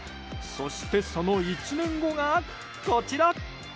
そして、その１年後がこちら。